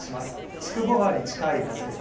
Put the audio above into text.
筑後川に近い町です。